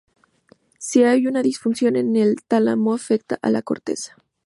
Si hay una disfunción en el tálamo, afecta a la corteza.